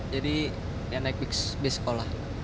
jadi naik bus sekolah